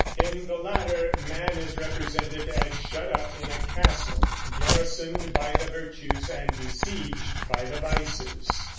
In the latter, man is represented as shut up in a castle garrisoned by the virtues and besieged by the vices.